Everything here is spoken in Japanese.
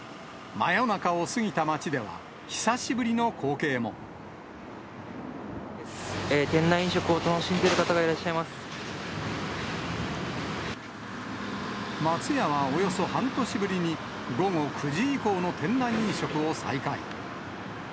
真夜中を過ぎた街では、店内飲食を楽しんでいる方が松屋はおよそ半年ぶりに、午後９時以降の店内飲食を再開。